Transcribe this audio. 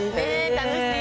楽しい。